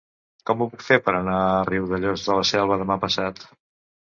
Com ho puc fer per anar a Riudellots de la Selva demà passat?